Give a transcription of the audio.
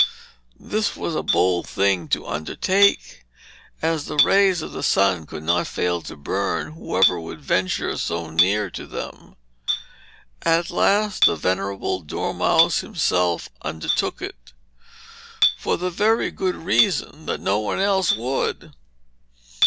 This was a bold thing to undertake, as the rays of the sun could not fail to burn whoever should venture so near to them. At last the venerable dormouse himself undertook it, for the very good reason that no one else would.